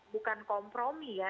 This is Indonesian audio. bukan kompromi ya